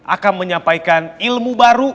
akan menyampaikan ilmu baru